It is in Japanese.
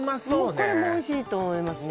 これもおいしいと思いますね